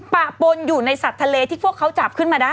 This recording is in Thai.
ปะปนอยู่ในสัตว์ทะเลที่พวกเขาจับขึ้นมาได้